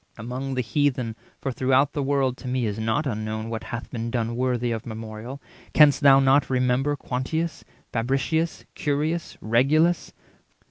Among the Heathen (for throughout the world To me is not unknown what hath been done Worthy of memorial) canst thou not remember Quintius, Fabricius, Curius, Regulus?